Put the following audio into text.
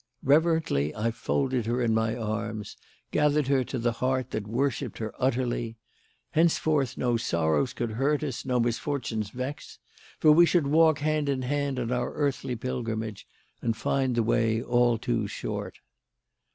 Reverently I folded her in my arms; gathered her to the heart that worshipped her utterly. Henceforth no sorrows could hurt us, no misfortunes vex; for we should walk hand in hand on our earthly pilgrimage and find the way all too short.